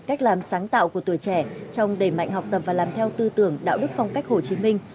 cách làm sáng tạo của tuổi trẻ trong đầy mạnh học tập và làm theo tư tưởng đạo đức phong cách hồ chí minh